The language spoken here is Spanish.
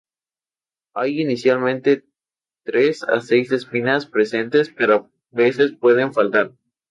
Hay inicialmente tres a seis, espinas presentes, pero a veces pueden faltar.